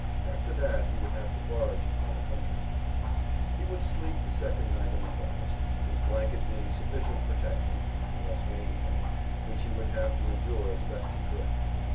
After that he would have to forage upon the country. He would sleep the second night in the forest, his blanket being sufficient protection, unless rain came, which he would have to endure as best he could.